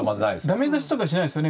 ダメ出しとかしないですよね